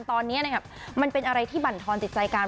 ตอนนี้นะครับมันเป็นอะไรที่บรรทอนจิตใจกัน